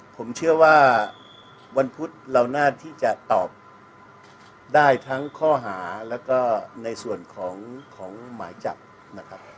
ผมเชื่อว่าวันพุธเราน่าที่จะตอบได้ทั้งข้อหาแล้วก็ในส่วนของหมายจับนะครับ